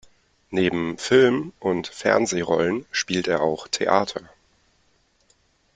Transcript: Neben Film- und Fernsehrollen spielt er auch Theater.